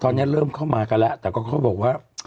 ตอนนี้เริ่มเข้ามากันแล้วแต่ก็เขาบอกว่า